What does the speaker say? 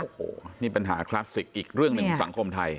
โอ้โหนี่ปัญหาคลาสสิกอีกเรื่องหนึ่งสังคมไทย